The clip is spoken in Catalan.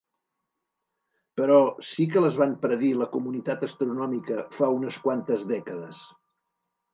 Però sí que les van predir la comunitat astronòmica fa unes quantes dècades.